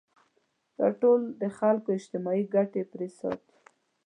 دا ټول د خلکو اجتماعي ګټې پرې ساتي.